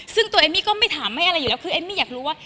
ซึ่งตัวเอมมี่ก็ไม่ถามไม่อะไรอยู่แล้วคือเอมมี่อยากรู้ว่า